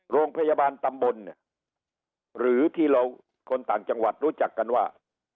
โรงพยาบาลตำบลเนี่ยหรือที่เราคนต่างจังหวัดรู้จักกันว่า